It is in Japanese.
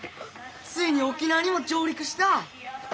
ついに沖縄にも上陸した！